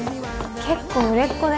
結構売れっ子で